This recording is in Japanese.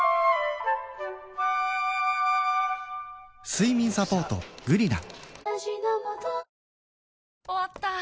睡眠サポート「グリナ」